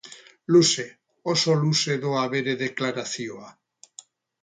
Luze, oso luze doa bere deklarazioa.